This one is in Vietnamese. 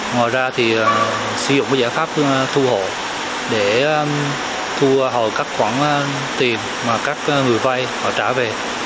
ngoài ra thì sử dụng giải pháp thu hồi để thu hồi các khoản tiền mà các người vay họ trả về